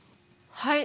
はい。